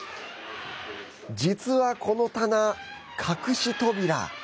実はこの棚、隠し扉。